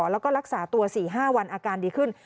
แล้วก็รักษาตัว๔๕วันอาการดีขึ้น